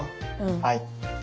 はい。